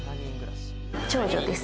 長女です。